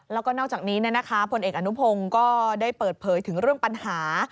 แล้วก็นอกจากนี้พลเอกอนุพงศ์ก็ได้เปิดเผยถึงเรื่องปัญหา